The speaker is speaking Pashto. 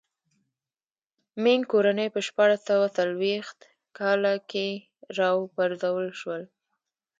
مینګ کورنۍ په شپاړس سوه څلوېښت کاله کې را و پرځول شوه.